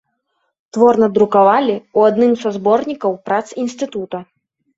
Твор надрукавалі ў адным са зборнікаў прац інстытута.